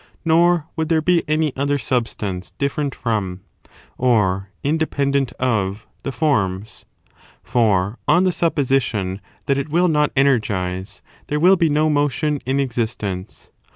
327 nor would there be any other substance different from, or in dependent of, the forms; for, on the supposition that it will not energize, there will be no motion in existence.